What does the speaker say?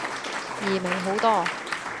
易明好多